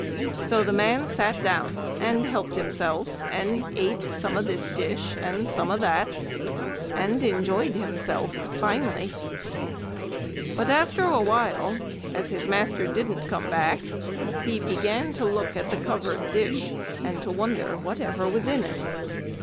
So the man sat down and helped himself, and ate some o' this dish and some o' that, and enjoyed himself finely. But after awhile, as his master didn't come back, he began to look at the covered dish, and to wonder whatever was in it.